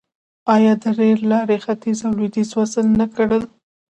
آیا د ریل لارې ختیځ او لویدیځ وصل نه کړل؟